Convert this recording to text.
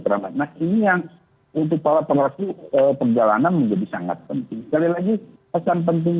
terang ini yang untuk para pengaruh perjalanan menjadi sangat penting sekali lagi pesan penting